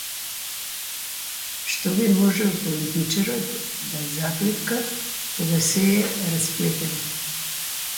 Што би можел политичарот да заплетка кога сѐ е расплетено?